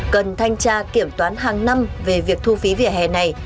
cần thanh tra kiểm toán hàng năm về việc thu phí vỉa hè này